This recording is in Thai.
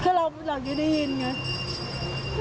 คือเราอยากจะได้ยินไง